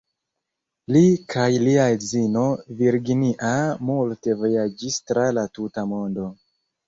Li kaj lia edzino Virginia multe vojaĝis tra la tuta mondo.